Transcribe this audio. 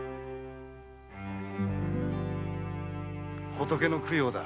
仏の供養だ。